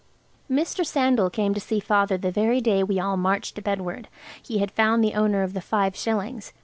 Mr. Sandal came to see Father the very day we all marched Bedward. He had found the owner of the five shillings.